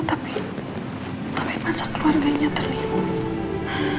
tapi masa keluarganya terlibat